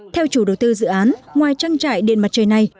theo chủ đầu tư dự án ngoài trang trại điện mặt trời này